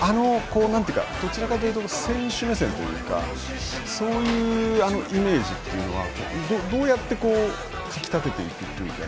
どちらかというと選手目線というかそういうイメージはどうかき立てていくというか。